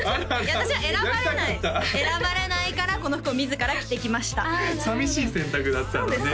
私は選ばれない選ばれないからこの服を自ら着てきました寂しい選択だったのね